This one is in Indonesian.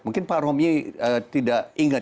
mungkin pak romy tidak ingat